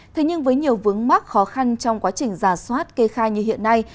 thế nhưng với nhiều vướng mắc khó khăn trong quá trình giả soát kê khai như hiện nay